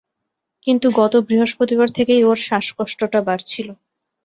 কিন্তু গত বৃহস্পতিবার থেকেই ওঁর শ্বাসকষ্টটা বাড়ছিল।